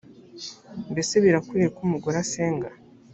mbese birakwiriye ko umugore asenga